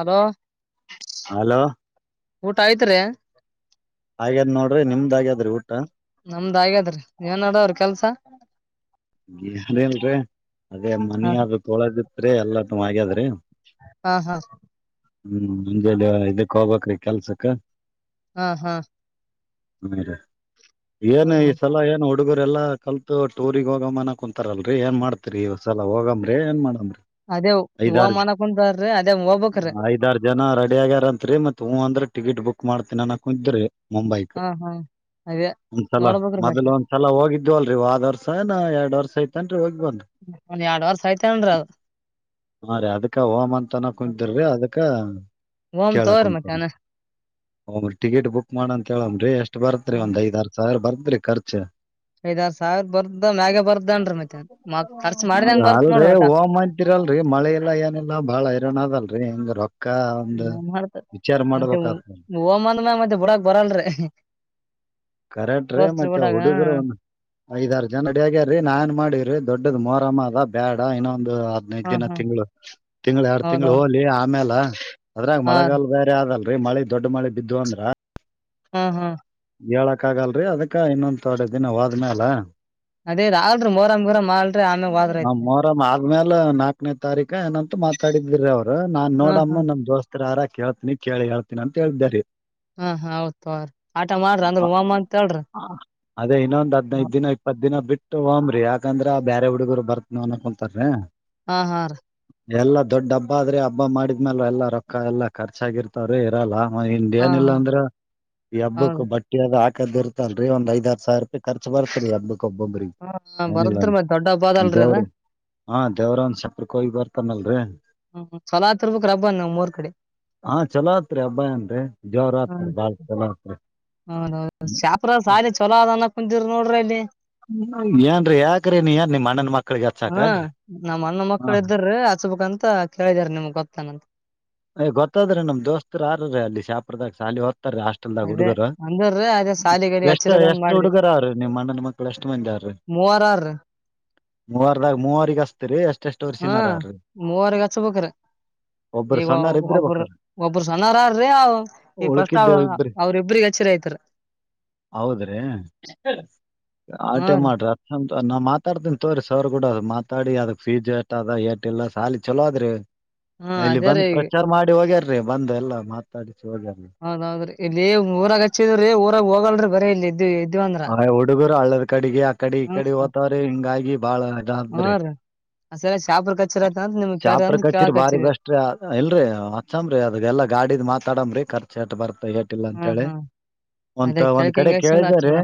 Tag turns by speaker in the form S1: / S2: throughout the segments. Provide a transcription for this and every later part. S1: ಅದ
S2: ಹಲೋ
S1: ಊಟ ಆಯ್ತ್ರಿ
S2: ಹಾಗ್ಯಾದ್ ನೋಡ್ರಿ ನಿಮ್ದಾಗ್ಯಾದ್ರಿ ಊಟ
S1: ಹ್ಮ
S2: ರಿನ ರ ಅದೇ ಮನಿಯಾಗ ತೊಳದು ರೇ ಎಲ್ಲ ತ ಹಾಗ್ಯದ್ರೀ ಹ್ಮ್ ಮುಂಜೆ ಇದಕ್ ಹೋಗ್ಬ್ರೀ ಕೆಲ್ಸಕ್ಕ.
S1: ಹಾ ಹಾ
S2: ಹೇರ ಏನ್ ಈ ಸಲ ಏನ್ ಹ ಹುಡುಗರು ಎಲ್ಲಾ ಕಲ್ತ್ ಟೋರಿಗ ಮನ ಕುಂತಾರ ಅಲ್ರಿ ಏನ್ ಮಾಡ್ತತಿರಿ ಸಲ ಹೋಗಮ್ರ ಏನ್ ಮಾಡಂಬ್ರಿ? ಐದಾರ ಐದಾರು ಜನ ರೆಡಿ ಆಗ್ಯಾರತ್ರಿ, ಮತ್ ಹ ಅಂದ್ರ ಟಿಕೆಟ್ ಬುಕ್ ಮಾಡ್ತೇನಿ ನಾನ ಕು ಇದ್ರೆ ಮುಂಬೈಕ್ ಒಂದ್ಸಲ ಮೊದ್ಲು ಒಂದ್ಸಲ ಹೋಗಿದ್ದ್ವ ಅಲ್ರರಿ ವಾದರ್ಸನ್ ಎರಡ್ ವರ್ಷ ಆಗೈತೆ.
S1: ಒನ್ ಎರಡ್ ವರ್ಸ ಆಯ್ತೇನ್ರೀ ಅದು.
S2: ಹಾ ರೀ ಅದಕ್ಕೆ ಹಮಂತ ತನ ಕುಂತರ್ವಿ ಅದಕ್ಕೆ ಹ ಕೇಳ ಕುಂಂತರ ಹಿ ಟಿಕೆಟ್ ಬುಕ್ ಮಾಡಂತ ಹೇಳನ್ರಿ, ಎಷ್ಟ್ ಬರತ್ರಿ ಒಂದ್ ಐದ್ ಆರ್ ಸಾವಿರ ಬರ್ತ್ ಆದ್ರೆ ಖರ್ಚ
S1: ಸೈದಾರ್ ಸಾವಿರ್ ಬರ್
S2: ಅಲ್ರಿ ಹಓಂತರಲ್ರಿ ಮಳೆ ಇಲ್ಲ ಏನಿಲ್ಲಾ ಬಾಳ ಇರೋಣ ಅದಲ್ರರಿ ಹಿಂಗ ರೊಕ್
S1: ನನ್ ಮಾಡ್ತ ಮತ್ತೆ
S2: ಮಾಡ್ಬೇಕಾದ
S1: ಓಮ್ಮಂದ ಮ್ಯ ಮತ್ತೆ ಬುಡಕ್ ಬರಲ್ರಿ
S2: ಕರೆಕ್ಟ್ ರೀ ಮತ್ತೆ
S1: ಹೋಸ್ಬುಡಾಗ
S2: ಹ್ಯ್ ನಾನ್ ಮಾಡಿದವ್ರಿ ದೊಡ್ಡದ್ ಮೊರಮ ಅದ ಬೇಡ ಇನ ಒಂದು ಹದ್ನೈದು ದಿನ ತಿಂಗಳು ತಿಂಗಳ ಎರಡು ತಿಂಗಂಗಳು ಹೋಲಿ ಆಮೇಾಲ ಹ ಅದ್ರಾಗ ಮಳಗಲ್ ಬೇರೆ ಆದದಲ್ಲ. ಮಳೆ ದೊಡ್ಡ ಮಳೆ ಬಿದ್ದು ಅಂದ್ರ
S1: ಹಾ ಹಾ
S2: ಹೇಳಕ್ ಆಗಲ್ರರಿ ಅದಕ್ಕ ಇನ್ನೊಂದ ಎೊಡ್ ದಿನ ಹೋಾದ್ಮೇಲ
S1: ಅದೇ ರಲ್ರಿ ಮೋರರ ಮಾಡಲ್ರ್ಪ ಆಮೇ ವಾದ್ರಐತೆ
S2: ಆದ್ಮಲ ನಾಕನೇ ತಾರೀಕ ಏನಂತೂ ಮಾತಾಡಿದ್ರಿ ಅವ್ರು ನಾನ್ ನೋಡಮ್ಮ ನಮ್ ದೋಸ್ತರ ಆರಾ ಕೇಳ್ತಿನಿ ಕೇಳಿ ಹೇಳ್ತೀನಿ ಅಂತ ಹೇಳಳದ್ದಾರೆ
S1: ಹಾ ಹ ಹೌತ್ ತ್ರಿ ಆಟ ಮಾಡ್ರಿ ಅಂದ್ರ ಹವಾಮ ಅಂತ ಹೇಳ್ರಿ
S2: ಯಕಂದ್ರೆ ಬೇರೆ ಹುಡುಗರು ಬರ್ತನವ ಅಕೊಂತಾರ
S1: ಹಾ ಹಾ ರ
S2: ಎಲ್ಲಾ ದೊಡ್ಡ ಹಬ್ಬ ಆದ್ರೆ ಹಬ್ಬ ಮಾಡಿದ್ಮೇಲ ಎಲ್ಲಾ ರೊಕ್ಕ ಎಲ್ಲ ಖರ್ಚಾಗಿರ್ತಾರ ಇರಲ್ಲ ಹಿಂದ ಏನಿಲ್ಲಾ ಅಂದ್ರೆ ಈ ಹಬ್ಬಕ್ ಬಟ್ಟೆದ ಆ ದ ಇತಲ್ರಿ ಒಂದ ಐದ್ ಸಾವಿರ ರೂಯ ಖರ್ಚ್ ಬರ್ತ್ರಿ ಅದ್ದು
S1: ಹಾ ಬರದ್ರ ಮಧ್ಯೆ
S2: ದೌರೋ ಹಾ ದವರೋನ್ ಸಪರ್ ಕ ಬರ್ತಾನಲ್ರರಿ
S1: ಹ್ಮ್ ಚಲೋ ತಿರ್ಬೇಕಕ್ ರಬ್ಬಂದ ನ ಮೂರ್ ಕಡೆ
S2: ಹಾ ಚಲೋ ಆತ್ರಿ ಹಬ್ಬ ಏನ್ರೀ ಜೋರ ಆತ್ರಿ
S1: ಹ್
S2: ಬಾಳ್ ಚಲೋ ಆತ್ರಿ
S1: ಹದ ಶಾಪ್ರ ಸಾಲ ಚಲೋ ಅದ ಒಂದಿರ್ ನೋಡ್ರಿ ಅಲ್ಲಿ
S2: ಏನ್ರೀ ಯಾಕ್ರೀ ನೀ ಏನ್ ಮನ್ಣನ್ ಮಕ್
S1: ಹ್ಮ ಮಣ್ಣ ಮಕ್ಕಳ ಇದ್ರೀ ಹಚ್ಬೇಕಂತ ತ್ತ ಕೇಳಿದಿದ್ದಾರೆ ನಿಮ್ಗ್ ಗೊತ್ತಾನಂತ
S2: ಯ್ ಗೊತ್ತಾದ್ರೆ ನಮ್ ದೋಸ್ತರು ಯಾರ್ರೀ ಅಲ್ಲಿ ಶಾಪದಾಗ ಸಾಲ ಹ ಹೊದ ಹಾಸ್ಟೆಲ್ದಾಗ ಹುಡುಗರು ಎಷ್ಟ ಎಷ್ಟ್ ಹುಡುಗರ ಅವ್ರೀ ನಿಮ್ಮ್ ಅಣ್ಣನ ಮಕ್ಳ ಎಷ್ಟ ಮಂದಿ ಅವ್ರಿ ಮೂವರ್ದಾಗ ಮೂವರಿಗೆಗ ಅಸ್ತೀರಿ ಅಷ್ಟ್
S1: ಹಾ ಮೂವರ್ಗಚ್ ಬಕ್ರ
S2: ಒಬ್ಬ್ರ ಸಣ್ಣಾರ್ ಇಬ್ರೇ
S1: ಒಬ್ಬರು
S2: ಬೇಕಾರ
S1: ಒಬ್ರು ಸನಾರಾರ್ರೀ ಈ ಫಸ್ಟ್
S2: ಉಳಕಿದ್ದೇವ್ ಇಬ್ರಿ
S1: ಅವ್ರ ಇಬ್ರಗ ಹಚ್ಚಿರಿ ಯತಾರ
S2: ಹೌದ್ರಿ
S1: ಹ ರೀ
S2: ನಾ್ ಮಾತಾಡ್ತನ್ ತೋ್ರರಿ ಸ ಅವರ್ ಕೂಡ ಮಾತಾಡಿ ಅದಕ್ ಫೀಜ ಟ್ ಅದ ಏಟ ಇಲ್ಲ ಸಾಲಿ ಚಲೋ ಅದ್ರಿ
S1: ಹಾ ಅದ ರೀ
S2: ಪ್ರಚಾರ ಮಾಡಿಿವಾಗೆ ಬಂದ ಎಲ್ಲ ಮಾತಾಡಿ
S1: ಹೌದೌದ್ರಿ ಇಲ್ಲಿ ಊರಾಗ ಹಚ್ಚಿದ್ರೀ ಊರಾಗ ಹೋಗಲ್ ಬರ ಇಲ್ಲ ಇದು
S2: ಹ ಡುಗ [unintelligible] ಅಳ್ಳದ ಕಡೆಗೆ ಕಡೆ ಕಡೆ ಓತವ್ರೆ ಹಿಂಗಾಗಿ ಬಾಳ ಇದ ಅಂದ್ರಿ ಶಾಪ್ರ ಕಚೀರಿ ಬಾರಿ ಬೆಸ್ಟ್್ರೀ ಎಲ್ರಿ ಹಚ್ಚಮ್ರಿ ಅದ ಎಲ್ಲಾ ಗಾಡಿದ್ ಮಾತಾಡಮ್ರಿ ಕರ್ ಚಟ್ ಬರ್ತಾ ೇಟಿಲ್ಲ ಅಂತೇಳಿ ಒಂತ ಒಂದ್ ಕಡೆ ಕೇಳಿದರಿ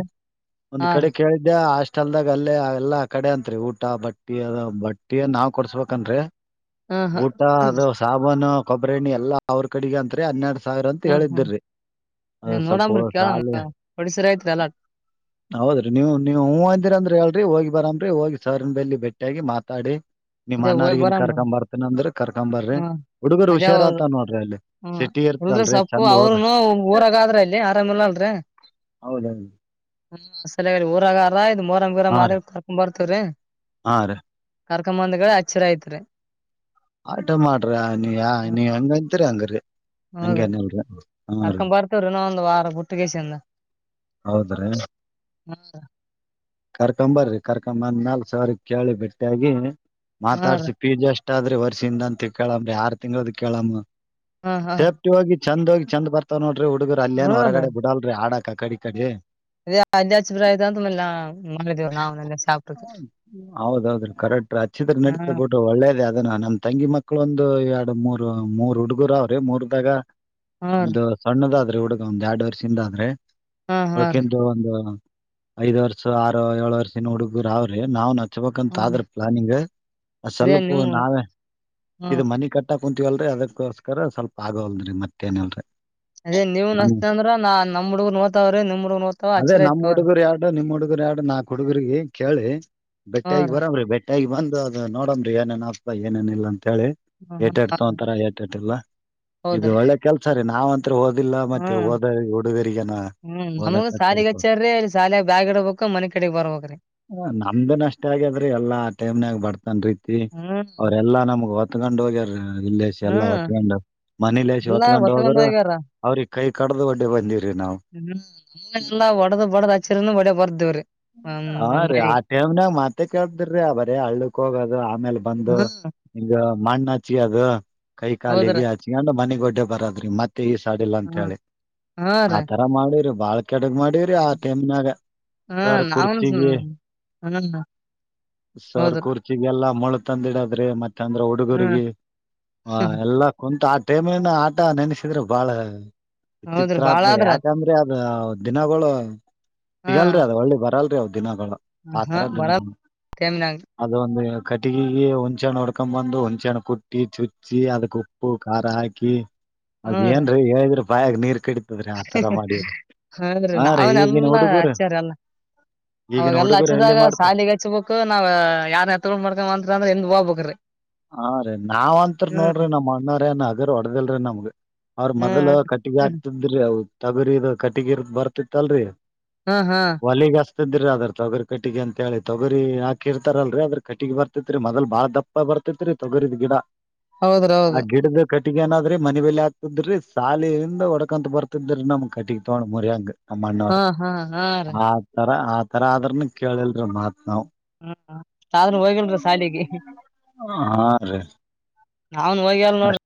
S2: ಒಂದ್ ಕಡೆ ಕೇಳಿದ್ದೆ ಹಾಸ್ಟೆಲ್ದಾಗ ಅಲ್ಲೇ ಎಲ್ಲಾ ಕಡೆ ಅಂತ್ರಿ ಊಟ ಬಟ್ಟಿ ಅದ ಬಟ್ಟಿ ನಾವ್ ಕೊಡ್ಸ್ಬೇಕನ್ರರಿ ಊಟ ಅದು ಸಾಬಾನ ಕೊಬ್ಬ್ರಣಿ ಎಲ್ಲ ಅವ್ರ ಕಡೆಗೆ ಅಂತ್ರೆ ಹನ್ನೆರಡು
S1: ಹ್ಮ್ ಹ್ಮ್ ನೀ
S2: ಸ್ವಲ್ಪ
S1: ನೋಡಂಬ್ರಿ
S2: ಸಾಲ
S1: ಕೇಳಂಗ ಹೊಡಿಸರ ಆಯ್ತ್ರಿ ಎಲ್ಲಾ
S2: ಹೌದ್ರಿ ನೀವು ನೀವು ಹೂವಂದಿರಂದ್ರಿ ಹೇಳ್ರಿ ಹೋಗಿ ಬರಾಮ್ರಿ ಹೋಗಿ ಸರಿನ್ ಬೆಲ್ಲಿ ಭಟ್ಟಿಯಾಗಿ ಮಾತಾಡಿ ನಿಮ್ ಅಣ್ಣಾರಿಗನ್ ಕರ್ಕೊ ಬರ್ತೇನ ಅಂದ್ರ ಕರ್ಕೊ್ಂಬರ್ರಿ ಹುಡುಗರ್ ಹುಷಾರ ಆತ ನೋಡ್ರಿ ಅಲ್ಲಿ ಸಿಟಿ ಇರ್ತಲ್ರಿ ಚಂದ ಹೋದ ಹೌದ
S1: ಹ್ಮ್ ಅಸ ಊರಾಗ ಆರ ಆಯ್ ಮೂರರ
S2: ಹಾ
S1: ಮಾ
S2: ರೀ
S1: ಕರ್ಕೊಂಡ್ ಬರ್ತವ್ರೀ
S2: ಹಾ ರೀ
S1: ಕರ್ಕ ಕ್ಕಬಂಂದಗಳ ಹಚ್ಚರ ಐತ್ಾರೆ
S2: ಆಟ ಮಾಡ್ರಿ ನೀ ನೀ ಹಂಗಂತಿರಿ ಹಂಗ್ರರಿ ಹಂಗೇನಲ್ರಿ ಹರಿ ಹೌದ್ರೀ ಕರ್ಕೊಂಬರಿ ಕರ್ಕಂಬಂದಮೇಲೆ ಸಾರ್ ಕೇಳಿ ಬೆಟ್ಟಾಗಿಿ ಮಾತಾಡ್ಸ ಪೀಜ ಅಷ್ಟು ಆದ್ರರೆ [unintelligible] ಿಂದಂತ ಕೇಳಮ್ರ ಯಾರ್ ತಿಂಗಳದ ಕೇಳಮ್ಮ ಸೇಫ್ಟಿವ ಆಗತ್ತು ಚಂದ ಹೋಗಿ ಚಂದ ಬರ್ತಾವ ನೋ ಹುಡುಗರು ಅಲೆ ಏನು ಹೊರಗಡೆ ಬಿಡಲ್ರಿ ಆಡಕ್ ಕ ಕಡಿ ಈಕಡೆ ಹೌದೌದುೀ ಕರೆಕ್ಟ್ ಆ ಚಿತ್ರ ನಡೀತಬೋಟ್ಟು ಒಳ್ಳೇದೇ ಅದನ್ನ ನಮ್ದ ಮಕ್ಕಳೊಂದು ಎರಡು ಮೂರ್ ಮೂರ್ ಹುಡುಗುರ ಅವ್ರಿ ಮೂರದಾಗ ಒಂದು ಸಣ್ಣದಾದ ಹುಡುಗ ಒಂದ್ ಎರಡ್ ವರ್ಷದಿಂದ ಆದ್ರೆ ಒಳಕಂತ ಒಂದು ಐದ್ ವರ್ಷ ಆರು ಏಳ ವರ್ಷಿನ ಹುಡುಗರಾವ್ರಿ ನಾವ್ ನ ಪಕ್ಕ ತಾದ್ರ ಪ್ಲಾನಿಂಗ್ ಚಲ್ಲಪ ನಾವೇ ಇದು ಮನೆ ಕಟ್ಟ ಕುಂತೀವಲ್ರಿ ಅದಕ್ಕೋಸ್ಕರ ಸ್ವಲ್ಪ ಆಗವಲ್ರರಿ ಮತ್ತೇನಲ್ರರಿ
S1: ಅದೇ ನೀವ್ ನಸ್ತ ಅಂದ್ರ ನಮ್ಮ ಹುಡ್ಗ್ ನೋತವ್ರೀ ನಿಮ್ ಹುಡ್ಗ್ ನೋತಾವ
S2: ಅದೇ
S1: ಆಚರ
S2: ನಮ್
S1: ಇತ್ವ್ರೀ
S2: ಹುಡುಗರು ಎರಡು ನಿಮ್ ಹುಡುಗರು ಆಡು ನಾ ಹುಡುಗರ್ಗ ಕೇಳಿ ಬೆಟ್ಟ ಈ ಬರಾಮ್ ರೀ ಬೆಟ್ಟ ಹೇಗ್ ಬಂದು ಅದು ನೋಡಂಬ್ರಿ ಏನೇನ ಅಪ್ಪ ಏನೇನ ಇಲ್ಲ ಅ ಂತ ಹೇಳಿ ಏಟಾಡ್ತಂತರ ಏಟಾಟಲ್ಲ ಇದು ಒಳ್ಳೆ ಕೆಲ್ಸ ರೀ ನಾವ್ಂತ್ ಓದಿಲ್ಲ ಮತ್ತೆ ಹೋದ ಹುಡುಗ ಹಓದಕ್ ಆ ನಮ್ದನ್ಷ್ಟ ಆಗಾದ್ರೆ ಎಲ್ಲಾ ಟೈಮ್ನಾಗ ಬರ್ತನ್ ರೀತಿ ಅವ್ರಲ್ಲಾ ನಮ ವತಗಂಡ ವಗೇರ
S1: ಹ್ಮ್ ಎಲ್ಲ
S2: ಹೊತ್ಕೊಂಡ್ ಹೋದ್ರ
S1: ಬತ್ಕಂದೋಗಗಾರ
S2: ಅವ್ರಿಗ್ ಕೈ ಕಡ್ದು ಒಡ್ಡಿ ಬಂದಿವ್ರಿ ನಾವು
S1: ಹ್ಮ ನ ಎಲ್ಲ ಒಡದ್ ಬಡದ್ ಹಚ್ಚಿರಿನು ಬಡ ಬರ್ದೇವ್ರಿ
S2: ಹ ರೀ ಆ ಟೈಮ್ನಾಗ ಮಾತ್ತೆ ಕೇಳದ್ರಿ ಬರೀ ಹಳ್ಳಕ್ ಹೋಗದು ಆಮೇಲ್ ಬಂದು ಹಿಂಗ ಮಣ್ಣ ಹಚ್ಿದು ಹಾ ಕೈ ಕಾಲಿಗೆ ಆಚಕಂಡ ಮನಿಗ್ ಗೊಡ್ಡೆ ಬರದ್ರಿ ಮತ್ತೆ ಈ ಸಡಿಲ್ಲ ಅಂತ ಹೇಳಿ ಆತರ ಮಾಡಿರಿ ಬಾ ಕೆಡಗ್ ಮಾಡಿವ್ರರಿ ಆ ಟೈಮನಾಗ ಸರ್ ಕುರ್ಚಿಗೆ ಸರ್ ಕುರ್ಚಿಗೆ ಎಲ್ಲ ಮೊಳು ತಂದಿಡ್ರೆ ಮತ್ತೆ ಯಾಕಂದ್ರೆ ಹುಡುಗರ್ಗಿ ಆ ಎಲ್ಲಾ ಕುಂತು ಆ ಟೇಮಲಿನ ಆಟ ನೆನೆಸಿದ್ರೆ ಬಾಳ ವಿಚಿತ್ರ ಆದತ್ ಯಾಕಂದ್ರೆ ಅದ ದಿನ ಬಳ
S1: ಹ್ಮ್
S2: ಅಲ್ಲಿ ಬರಲ್ರಿದು ದಿನಗಳು ಆ ತರ ದಿನ ಅದು ಒಂದು ಕಟ್ಟಿಗೆಗೆ ಹುಣ್ಚೆಣ್ಣ ಹೊಡ್ಕೊಂಡ್ ಬಂದು ಹುಣ ಕುಟ್ಟಿ ಚುಚ್ಚಿ ಅದಕ್ ಉಪ್ಪು ಖಾರ ಹಾಕಿ ಅದ್ ಏನ್ರಿ ಹೇಳಿದ್ರಿ ಪ್ರಾಯ ಅಗ್ನರ್ ಕೆಡತದ್ರೀ ಆತರ ಮಾಡಿವ್ರ ಹಾ ರೀ ಹೀಗನ್ ಹುಡುಗುರ
S1: ಅವಾಗೆಲ್ಲಾ ಹಚ್ಚಿದಾಗ ಸಾಲಿಗೆ ಹಚ್ಬೇಕು ನಾವ್ ಯಾರ್ ಎತ್ತೊಂಡ ಮಾಡ್ಕೊಂಡ ಅಂತ್ರಿ ಅಂದ್ರೆ ಎದ್ ಹೋಗ್ಬೇಕ್ರೀ
S2: ಹಾ ರೀ ನಾವ್ ಅತ್ರಿ ನೋಡ್ರಿ ನಮ್ಮ್ ಅಣ್ಣ್ರ ಏನ ಅದ್ರ ಹೊಡದಲ್ರಿ ನಮ್ಗ ಅವ್ರ ಮೊದಲ್ ಕಟ್ಟಿಗೆ ಆಕ್ತದ್ರಿ ಅವ ತಗುರಿ ಇ ಕಟ್ಟಿಗಿರ್ ಬರ್ತಿತ್ತಲ್ರಿ
S1: ಹ್ಮ್ ಹಾ್
S2: ೀ ಅದ್ರ ತೊಗರಿ ಕಟ್ಟಿ ಅಂತ ಹೇಳಿ ತೊಗರಿ ಹಾಕಿರ್ತಾರಲ್ರರಿ ಅದ್ರ ಕಟ್ಟಿಗೆಗ್ ಬರ್ತಿತ್ರಿ ಮೊದಲ್ ಬಾಳ ದಪ್ಪ ಬರ್ತಿ ಪ ತಗರು ಗಡಾ
S1: ಹೌದ್ರ ಹೌದು
S2: ಏನಾದ್ರೀ ಮನ ಬಲಿ ಆಗ್ತಿದ್ರಿ ಸಾಲಿಯಿಂದ ಹೊಡಕಂತ ಬರ್ತಿದ್ರಿ ನಮ್ ಕಟ್ಟಿಗ್ ತಗೊಂಡ್ ಮರಿಯಾಂಗ ನಮ್ಮಣ್ಣವರು ಆ ತರ ಆ ತರ ಅದ್ರನು ಕೇಳಿಲ್ರ ಮಾತ್ ನಾವು
S1: ಹಾ ಸಾಧನ್ ಹೋಗಣರ ಶಾಲಿಗೆ
S2: ಹಾ ರೀ
S1: ನಾನ್ ಹೋಗಿ ಅಲ್ ನೋಡ್ರಿ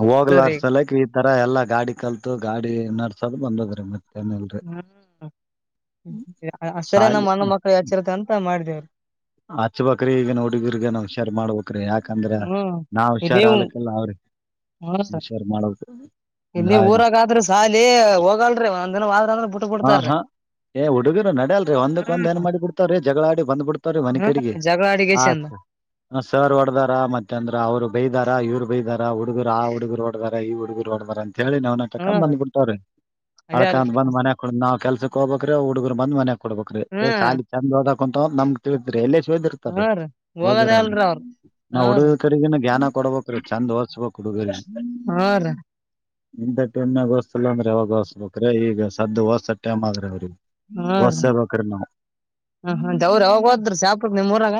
S2: ಹೋಗ್ಲರ್ಸಲಕ್ ಈ ತರ ಎಲ್ಲಾ ಗಾಡಿ ಕಲ್ತು ಗಾಡಿ ನರ್ತ ಸದ ಬಂದದ್ರೀ ಮತ್ತೆ
S1: ಹ್ಮ ಸರಿ
S2: ಸಾಲಿ
S1: ನಮ್ಮ್ ಅಣ್ಣ ಮಕ್ಳು ಯಚ್ಚಿರುತ್ ಮಾಡ್ದೆ
S2: ಅಚ್ಚ ಬಕ್ರ ಈಗ ನೋುಡುಗರ್ರಿಗೆಗ ನಷರ್ ಮಾಡ್ಬದು ಯಾಕಂದ್ರ ನಾ ಹುಷಾರ್ ಆಲಕ್ಕಲ್ಲ ಅವ್ರಿ
S1: ಹ್ಮ
S2: ಹುಷಾರ್ ಮಾಡಬೇಕು
S1: ಇಲ್ಲಿ
S2: ಹಿಂಗಾಗಿ
S1: ಊರಾಗಾದ್ರೂ ಸಾಲಿ ಹೋಗಲ್ರಿ ಒಂದ್ ದಿನವಾದ್ರ ಅಂದ್ರ
S2: ಹಾ ಹಾ ಏ ಹುಡುಗಿರು ನಡ್ಯಲ್ರಿೀ ಒಂದಕ್ ಒಂದ ಏನ್ ಮಾಡಿ ಬಿಡ್ತವ್ರೀ ಜಗಳಾಡಿ ಬಂದ್ಬ ಬಿಡ್ತವ್ರೀ ಮನ ಕಡೆಗೆ ಆ ಸರ್ ಹೊಡದಾರ ಮತ್ತೆ ಅಂದ್ರ ಅವ್ರು ಬೈದಾರ ಇವ್ರು ಬೈದಾರ ಹುಡುಗರು ಆ ಹುಡುಗರು ಡಾರ ಈ ಹುಡುಗರು ಡಾರ ಅಂತ ಹೇಳಿ ನಾವ್ ನಟಕ ಬ್ಬ ಬಿಡ್ತಾವ್ರೀ ಅಳ್ಕಂತ ಬಂದ ಮನ ನಾವು ಕೆಲ್ಸಕ್ ಹೋಗಬೇಕ್ರ ಹುಡುಗರು ಬಂದ ಮನೆ ಕೊಡ್ಬೇಕ್ರೀ ಾಲಿ ಚಂದ ನಮ್ ತಿಳಿದ್ರ ಎ ಹೋದಿರ್ತಲ್ರಿ ಹಓದಿರಲ್ರರಿ ನಾವ್ ಹುಡುಗ ಕಡೆಗಿನ ಜ್ಞಾನ ಕೊಡ್ಬೇಕ್ರೀ ಚಂದ ಓರ್ಸ್ಬೇಕಕ್ ಹುಡುಗರಿ ಅ ಇಂತಥ ಟೈಮ್ಗಗೋಸ್ಸಲ್ಲ ಅ್ರ ಅವಾಗಸ್ಬೇಕ್ರ ಈಗ ಸದ್ದ ಹ ಹೊಸ್ಸ ಟಮ್ ಆದ್ರೆ ಅವ್ರಿಗೆ
S1: ಹ್ಮ ರೀ ಹ ದವ್ರ ಯಾವಾಗ ಹೋದ್ರ ಶಾಪ ನಿಮಮ್ಮೂಊರಾಗ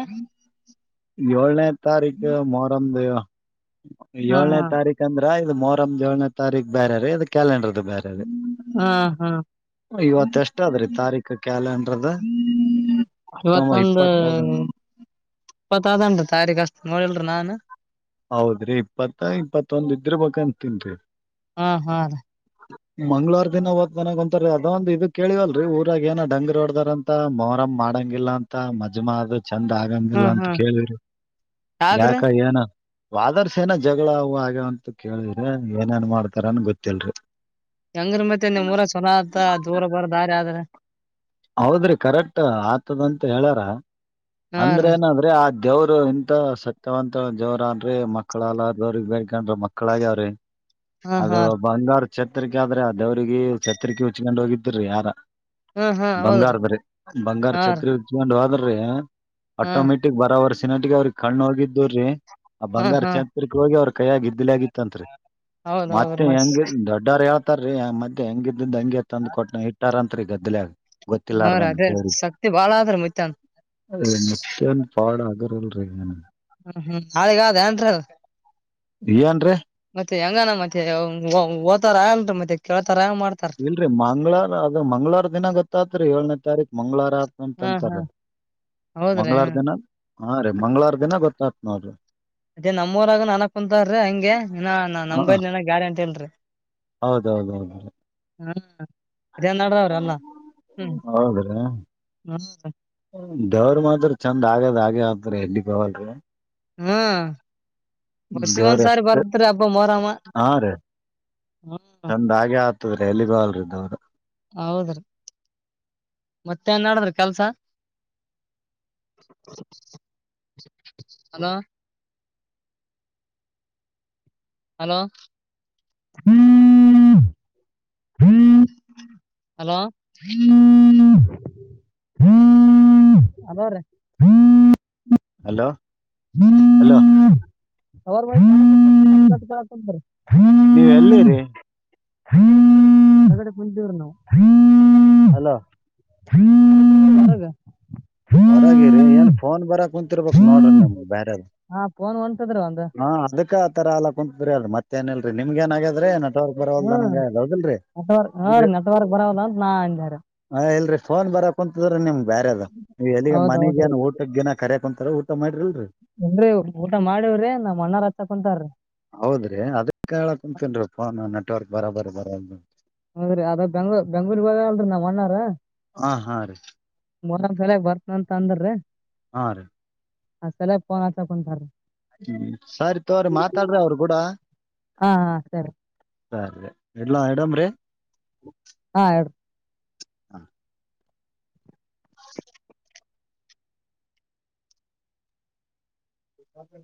S2: ಏಳನೇ ತಾರೀಕು ಮೊರಮ್ದ ಏಳ್ನೇ ತಾರೀಕ ಅಂದ್ರ ಮೊರಂ ಏಳನೇ ತಾರೀಖ ಬೇರೆ ರೀ ಇದು ಕಾಲಂಡರ್ ಬೇರೆದು, ಇವತ್ತು ಎಷ್ಟಾದ್ರೀ ತಾರೀಕು ಕ್ಯಾಲೆಂಡರ್ದ ಹತ್ತು, ಒಂಬತ್ತು, ಇಪ್ಪತ್ತು ಇದೆ
S1: ಇಪ್ಪತ್, ಅದುನ್ರೀ, ತಾರೀಕು ಅಷ್ಟು, ನೋಡಿಲ್ರರಿ ನಾನ್!
S2: ಹೌದ್ರಿ, ಇಪ್ಪತ್ತು ಇಪತ್ಯೊಂದು! ಇದ್ರ ಬೇಕು ಅಣುತಿನಿರಿ
S1: ಹಾಹಾ, ರಿ.. [inaudible]
S2: ಮಂಗಳವಾರ ದಿನ ಹೋದ, ಮನೆಗೆ, ಹೋದ್ರೆ ಒಂತರ ಕೇಳವಲ್ರರಿ ಊರಾಗ ಏನೋ ಒಂತರ ಹೊಡ್ದಾರಂತ ಮೊರಮ ಮಾಡಂಗಿಲ್ಲ ಅಂತ ಮಜ್ಮರಿ. [inaudible] ಚಂದ ಹಾಗಾಗಿಲ್ಲ, ಅಂತ ಕೇಳಿದ್ರಿ ಯಾಕ ಏನು.. [inaudible] ವಾದರ್ಸೇನ, ಜಗಳವು ಆಗವ್, ಅಂತ ಕೇಳಿದ್ರಿ ಏನೇಏನ್ ಮಾಡ್ತಾರನ್ ಗೊತ್ತಿಲ್ರಿ. [inaudible]
S1: ಹೆಂಗ್ರಿ ಮತ್ತೆ ನಿಮ್ ಊರಲಿ ಚಲೋ ಆತ್ತ ದೂರ ಬರ್ ದಾರಿ ಅದರೆ.. [inaudible]
S2: ಹೌದ್ರಿ ಕರೆಕ್ಟ್ ಹಾಗುತೇ! ಅಂತ ಹೇಳರ, ಅಂದ್ರ ಏನಾದ್ರೆ ಆ ದೇವರು ಇಂತಥ ಸತ್ಯವಂತ ದೇವರ ಅನ್ರಿ ಮಕ್ಕಳ ಹಾಗಲಾರದವರು ಬೇಡಿಕೊಂಡರ ಮಕ್ಕಳ ಹಾಗವ ರೀ ಅದು, ಬಂಗಾರ ಛತ್ರಿಕೆ, ಆದ್ರೆ ದೇವ್ರರಿಗೆ ಛತ್ರಿಕೆ ಹುಚ್ಕೊಂಡು ಹೋಗಿದ್ರೀ ಯಾರ. ಬಂಗಾರಾಧ್ರಿ, ಬಂಗಾರ ಛತ್ರಿ ಉಚ್ಚುಕೊಂಡು ಹೋದ್ರೆ.. [unintelligible] [inaudible] ಆಟೋಮೆಟಕ್, ಬರವರ್ಷ ಟಕ, ಅವ್ರಿಗೆ, ಕಣ್ಣು ಹೋಗಿದ್ರಿ ಆ, ಬಂಗಾರ ಚೇತ್ರಿಕ್ಕೆ ಹೋಗಿ ಅವರು ಕೈಯಗ, ಇಧಿಲಾಗ, ಇತ್ಯಂತೂರಿ ಮತ್ತೆ, ಹೆಂಗೀದರು, ದೊಡ್ವರು, ಹೇಳೂ ಅನುತ್ತಾರೆ ರಿ ಆ ಮತ್ತೆ ಹೆಂಗ ಇದಂಗೆ ತಂದುಕೊಟ್ಟ ಇಟ್ಟಾರಂತ ಗದಲೆಗ
S1: ಹಾ, ರೀ. ಅದೇ ಶಕ್ತಿ ಬಾಳ ಅದುರಿ ಮುತ್ತೇನು
S2: ಮತ್ತೇನು! ಪವಾಡ, ಅದೇ, ಅಲ್ರೀ ಇನ್ನೇನು?
S1: ಹ್ಮ್, ಹ್ಮ್, ಹಾಳಿಗ, ಏನುತಾರದು..
S2: ಏನ್ರರಿ
S1: ಮತ್ತೆ, ಹೆಂಗಾನ ಮತ್ತೆ! ಓತಾರ ಆಲ್ ಮತ್ತೆ ಕೇಳ್..
S2: ಇಲ್ರರಿ ಮಂಗಳವಾರ, ಅದ ಮಂಗಳವಾರ ದಿನ ಗೊತ್ತತ್ರಿ ಏಳನೇ ತಾರೀಕ್ ಮಂಗಳವಾರ ಆತ ಅಂತ ಅನ್ನುತ್ತಾರೆ, ರಿ. ಮಂಗಳವಾರ ದಿನ! ಹಾ, ರೀ! ಮಂಗಳವಾರ ದಿನ ಗೊತ್ತಾಯ್ತ್ ನೋಡ್ರಿ!
S1: ಅದೇ ನಮ್ಮಊರಾಗ ನಾನು ಕುಂತಾರ್ರೀ! ಹಾಂಗೆ ನಾ
S2: ಹ
S1: ನಂಬಲ್ಲ ಗ್ಯಾರಂಟಿ, ಇಲ್ರರಿ.
S2: ಹೌದೌದೌದು
S1: ಹಾ.. [inaudible]
S2: ಹೌದುರಿ [inaudible] ದೇವರು ಮಾತ್ರ ಚಂದ್ ಆಗದು ಹಾಗೆ [unintelligible]
S1: ಹ್ಮ್
S2: ದೇವರೆ ಎಷ್ಟೇ [inaudible] ಹಾ ರೀ [inaudible] ಚಂದ ಹಾಗೆ ಆಗ್ತದ್ರೀ ಎಲ್ಲಿಗೋ ಅಲ್ರಿ ಹೌದು
S1: ಹೌದ್ರೀ ಮತ್ತೆಏನ್ ನಡ್ಡದ್ರಿ ಕೆಲ್ಸ ಹಲೋ ಹಲೋ ಹ್ಮ್ ಹಲೋ ಹಲೋರಿ
S2: ಹಲೋ ಹಲೋ
S1: ಪವರ್ ಹೋಯ್ತ ಅವ್ಕಂತಾರೆ
S2: ನೀವ್ ಎಲ್ಲಿರಿ
S1: [unintelligible]
S2: ಹಲೋ
S1: [unintelligible]
S2: ಹೊರಗಿರಿ ಏನ್
S1: ಹೊರಗ
S2: ಫೋನ್ ಬರಕು ತಿರ್ಬೇಕು ನೋಡ್ರಿ ನಿಮ್ಮಗೆ ಬ್ಯಾರೆದು
S1: ಒನ್ ಒನ್
S2: ಹಾ ಅದಕ್ಕ ತರ ಅಲ್ಲ ಕುಂತಲ್ರಿ ಮತ್ತೇ ಏನಲ್ರಿ ನಿಮ್ಗೆ ಏನಾಗಿದ್ರಿ
S1: ಹ್ಮ್ [inaudible] ನೆಟ್ವರ್ಕ್ ಹೂ
S2: ಇಲ್ರಿ
S1: ರೀ ನೆಟ್ವರ್ಕ್ ಬರಲ್ಲ ಅಂತ ನಾನ್ ಅಂದೇ ರೀ
S2: ಪೋನ್ ಬರಕುಂತ್ರದ್ರಿ ನಿಮ್ಗೆ ಬೇರೆದು ನೀವು ಎಲ್ಲಿಗೆ ಮನೆಗೇನು ಊಟಕ್ಕೆನ ಕರೆ ಕುಂತ್ರ
S1: [unintelligible] ಊಟ ಮಾಡವ್ರಿ ನಮ್ಮ
S2: ಹೌದ್ರಿ ಅದಕ್ಕೆ ಹೇಳ್ಕುಂತ್ರಿ ಅದು ಪೋನು ನೆಟವರ್ಕ್ ಬರಬರ್ ಇದರೆ‌ ಅಲ್ಲಿ
S1: ಹೌದ್ರೀ ಅದ ಬೆಂಗ ಬೆಂಗ್ಳೂರಿಗೆ ಬಂದರಲ್ಲ ನಮ್ಮ ಅಣ್ಣಾರು [unintelligible]
S2: ಹಾ ಹಾ ರೀ
S1: ಮೊಹರಂ ಸಲುವಾಗಿ ಬರ್ತೀನಿ ಅಂತ ಅಂದ್ರು ರೀ
S2: ಹಾ ರೀ
S1: ಹಾ ಸಲುವಾಗಿ ಪೋನ್ ಹಚ್ಚಕ್ ಕುಂತಾರೀ
S2: ಹ್ಮ್ ಸರಿ ತೋರಿ ಮಾತಾಡ್ರಿ ಅವರು ಕೂಡ [inaudible] ಸರಿ ಇಡ್ಲಾ ಇಡಮ್ ರೀ
S1: ಹಾ ಇಡು
S2: ಹಾ
S1: [inaudible] [inaudible]